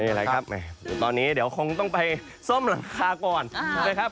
อะไรครับตอนนี้เดี๋ยวคงต้องไปซ่อมหลังคาก่อนนะครับ